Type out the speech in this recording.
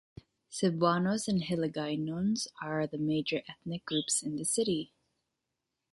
Cebuanos and Hiligaynons are the major ethnic groups in the city.